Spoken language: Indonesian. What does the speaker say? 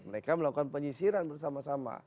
mereka melakukan penyisiran bersama sama